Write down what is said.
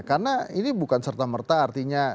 karena ini bukan serta merta artinya